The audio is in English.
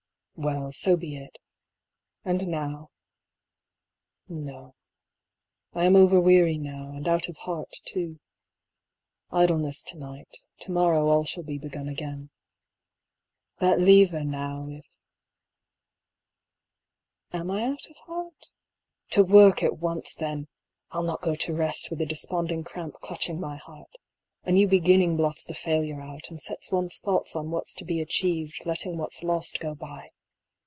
Well, so be it : 1 26 AN INVENTOR. and now — No, I am over weary now, and out of heart too : idleness to night ; to morrow all shall be begun again. That lever, now, if — Am I out of heart? to work at once then! I'll not go to rest with the desponding cramp clutching my heart : a new beginning blots the failure out, and sets one's thoughts on what's to be achieved; letting what's lost go by.